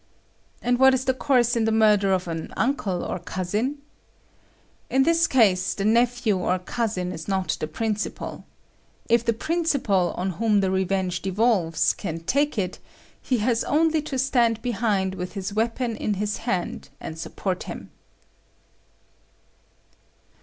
'And what is the course in the murder of an uncle or cousin?' 'In this case the nephew or cousin is not the principal. If the principal, on whom the revenge devolves, can take it, he has only to stand behind with his weapon in his hand, and support him.'"